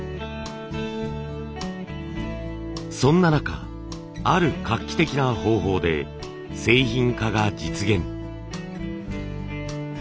そんな中ある画期的な方法で製品化が実現。